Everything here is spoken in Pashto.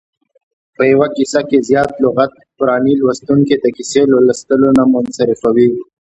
په یوه کیسه کې زیاته لغت پراني لوستونکی د کیسې له لوستلو نه منصرفوي.